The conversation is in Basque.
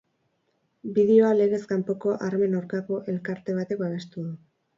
Bideoa legez kanpoko armen aurkako elkarte batek babestu du.